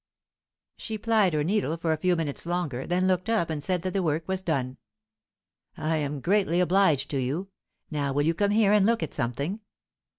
She plied her needle for a few minutes longer; then looked up and said that the work was done. "I am greatly obliged to you. Now will you come here and look at something?"